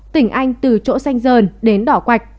tỉnh anh từ chỗ xanh dờn đến đỏ quạch